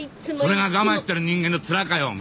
それが我慢してる人間のツラかよお前。